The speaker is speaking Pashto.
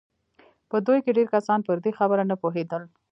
په دوی کې ډېر کسان پر دې خبره نه پوهېدل